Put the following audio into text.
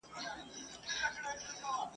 چي په خوب کي او په ویښه مي لیدله ..